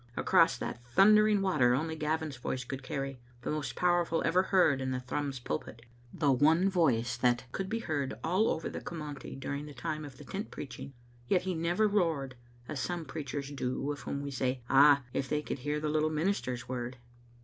Across that thundering water only Gavin's voice could carry, the most powerful ever heard in a Thrums pulpit, the one voice that could be heard all ov^r the Commonty during the time of the tent preaching. Yet he never roared, as some preachers do of whom we say, *^ Ah, if they could hear thfe Little Minister's word!"